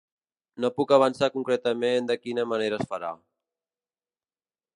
No puc avançar concretament de quina manera es farà.